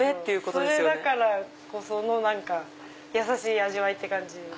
それだからこそのやさしい味わいって感じ。